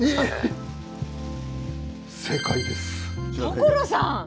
所さん！